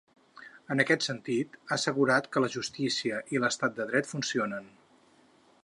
En aquest sentit, ha assegurat que la justícia i l’estat de dret funcionen.